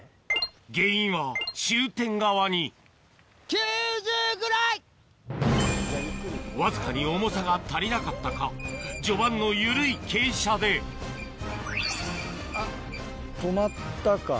原因は終点側にわずかに重さが足りなかったか序盤の緩い傾斜であっ止まったか。